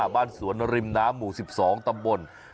บ้านสวนริมน้ำหมู่๑๒ตำบล